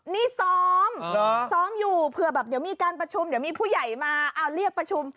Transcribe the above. นี่ซ้อมซ้อมอยู่เผื่อแบบเดี๋ยวมีการประชุมเดี๋ยวมีผู้ใหญ่มาเอาเรียกประชุม